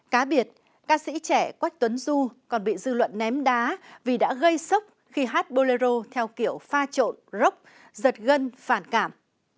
cá biệt ca sĩ trẻ quách tuấn du còn bị dư luận ném đá vì đã gây sốc khi hát bolero theo kiểu pha trộn rock giật gân phản cảm